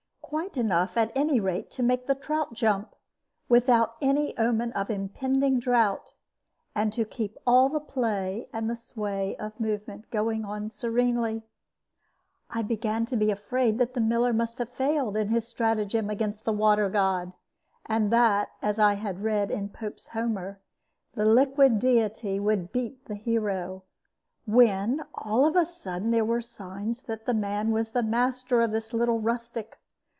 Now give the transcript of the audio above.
Quite enough, at any rate, to make the trout jump, without any omen of impending drought, and to keep all the play and the sway of movement going on serenely. I began to be afraid that the miller must have failed in his stratagem against the water god, and that, as I had read in Pope's Homer, the liquid deity would beat the hero, when all of a sudden there were signs that man was the master of this little rustic.